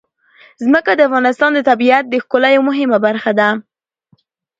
ځمکه د افغانستان د طبیعت د ښکلا یوه مهمه برخه ده.